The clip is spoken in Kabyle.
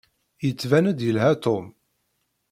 Yettban-d yelha Tom.